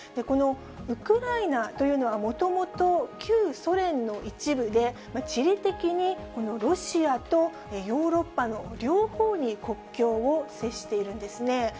このウクライナというのは、もともと旧ソ連の一部で、地理的にロシアとヨーロッパの両方に国境を接しているんですね。